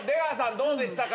どうでしたか？